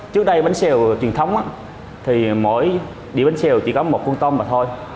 trước đây bánh xèo truyền thống thì mỗi địa bánh xèo chỉ có một cuốn tôm mà thôi